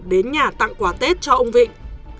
đến nhà tặng quà tết cho ông vịnh